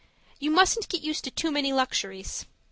You mustn't get me used to too many luxuries.